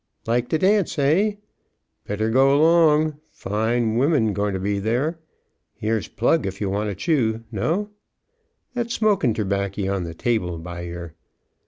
Like to dance, eh? Better go 'long fine women going ter be there here's plug, if ye want a chew no? That's smokin' terbaccer on the table by yer.